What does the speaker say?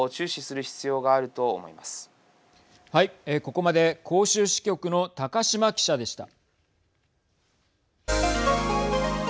ここまで広州支局の高島記者でした。